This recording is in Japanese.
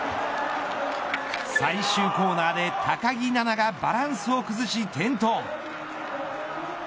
最終コーナーで高木菜那がバランスを崩し転倒。